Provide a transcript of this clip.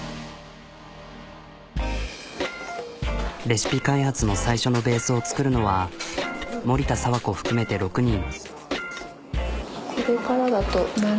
レシピ開発の最初のベースを作るのは森田佐和子含めて６人。